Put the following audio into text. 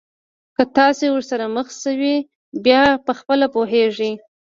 که تاسي ورسره مخ شوی بیا خپله پوهېږئ.